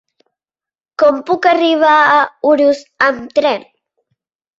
Com puc arribar a Urús amb tren?